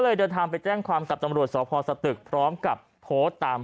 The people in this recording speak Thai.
เดินทางไปแจ้งความกับตำรวจสพสตึกพร้อมกับโพสต์ตาม